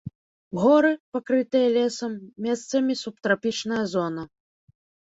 Горы, пакрытыя лесам, месцамі субтрапічная зона.